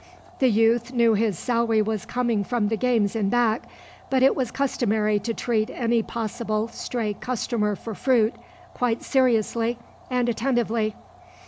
The youth knew his salary was coming from the games in back but it was customary to treat any possible stray customer for fruit quite seriously and attentively.